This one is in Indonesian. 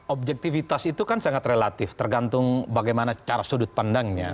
objektivitas itu kan sangat relatif tergantung bagaimana cara sudut pandangnya